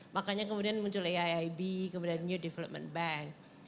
makanya kemudian muncul aiib kemudian new development bank